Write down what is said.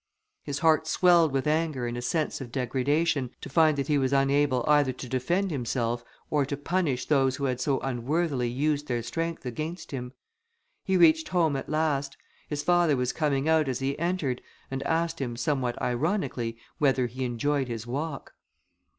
His heart swelled with anger and a sense of degradation, to find that he was unable either to defend himself, or to punish those who had so unworthily used their strength against him. He reached home at last: his father was coming out as he entered, and asked him, somewhat ironically, whether he enjoyed his walk.